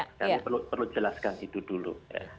kami perlu jelaskan itu dulu